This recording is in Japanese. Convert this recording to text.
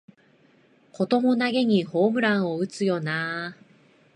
こともなげにホームラン打つよなあ